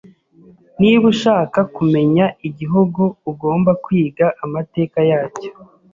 Niba ushaka kumenya igihugu, ugomba kwiga amateka yacyo.